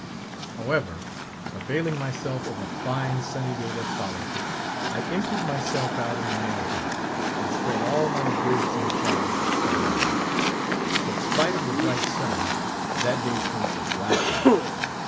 However, availing myself of a fine sunny day that followed, I emptied myself out in the main top, and spread all my goods and chattels to dry. But spite of the bright sun, that day proved a black one.